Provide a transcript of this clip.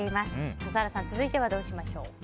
笠原さん続いてはどうしましょう？